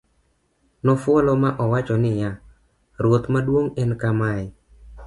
nofuolo ma owacho niya, ruoth maduong' en kamaye